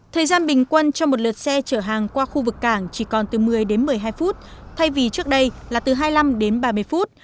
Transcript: thời gian bình quân cho một lượt xe chở hàng qua khu vực cảng chỉ còn từ một mươi đến một mươi hai phút thay vì trước đây là từ hai mươi năm đến ba mươi phút